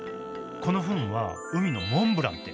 このフンは海のモンブランって。